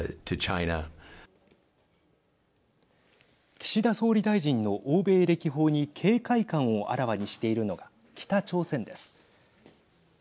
岸田総理大臣の欧米歴訪に警戒感をあらわにしているのが北朝鮮です。